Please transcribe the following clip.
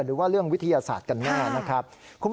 หรือว่าเรื่องวิทยาศาสตร์กันแน่นะครับ